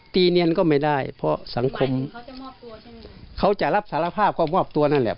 เนียนก็ไม่ได้เพราะสังคมเขาจะรับสารภาพก็มอบตัวนั่นแหละ